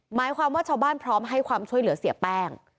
หมายความว่าชาวบ้านพร้อมให้ความช่วยเหลือเสียแป้ง